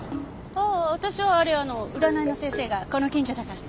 ああ私はあれ占いの先生がこの近所だから。